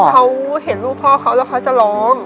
เขาเห็นรูปพ่อเขาแล้วเขาจะร้อง